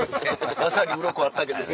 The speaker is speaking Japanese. まさにウロコあったけど。